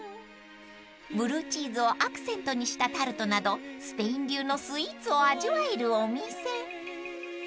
［ブルーチーズをアクセントにしたタルトなどスペイン流のスイーツを味わえるお店］